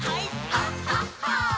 「あっはっは」